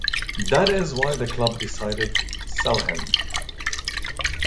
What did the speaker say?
That is why the club decided sell him.